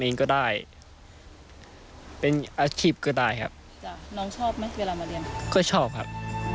น้องชอบไหมเวลามาเรียนก็ชอบครับ